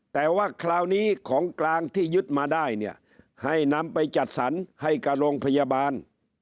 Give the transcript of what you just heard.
แต่ว่าคราวนี้ของกลางที่ยึดมาได้เนี่ยให้นำไปจัดสรรให้กับโรงพยาบาล